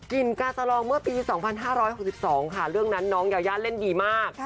กินกาสลองเมื่อปี๒๕๖๒ค่ะเรื่องนั้นน้องยายาเล่นดีมาก